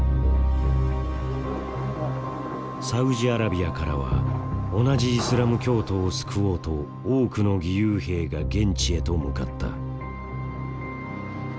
サウジアラビアからは同じイスラム教徒を救おうと多くの義勇兵が現地へと向かった。